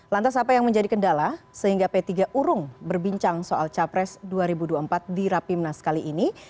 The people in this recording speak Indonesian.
lantas apa yang menjadi kendala sehingga p tiga urung berbincang soal capres dua ribu dua puluh empat di rapimnas kali ini